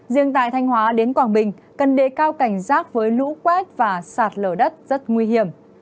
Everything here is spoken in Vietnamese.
riêng tại thanh hóa đến quảng bình cần đề cao cảnh giác với lũ quét và sạt lở đất rất nguy hiểm